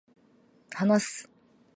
話す